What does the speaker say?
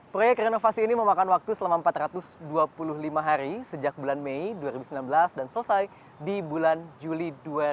proyek renovasi ini memakan waktu selama empat ratus dua puluh lima hari sejak bulan mei dua ribu sembilan belas dan selesai di bulan juli dua ribu dua puluh